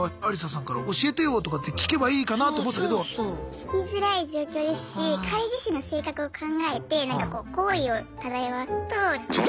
聞きづらい状況ですし彼自身の性格を考えて好意を漂わすと。